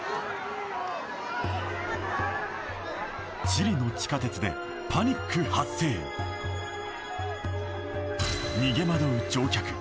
チリの地下鉄でパニック発生逃げ惑う乗客